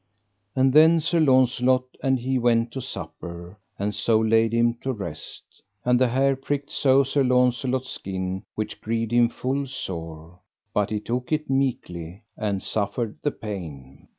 And then Sir Launcelot and he went to supper, and so laid him to rest, and the hair pricked so Sir Launcelot's skin which grieved him full sore, but he took it meekly, and suffered the pain.